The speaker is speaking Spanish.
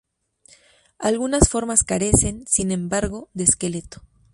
Algunas formas carecen, sin embargo, de esqueleto.